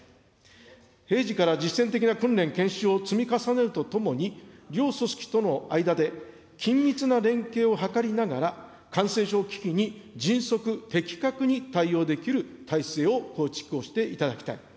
平時から実践的な訓練・研修を積み重ねるとともに、両組織との間で緊密な連携を図りながら、感染症危機に、迅速・的確に対応できる体制を構築をしていただきたい。